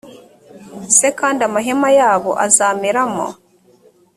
s kandi amahema yabo azameramo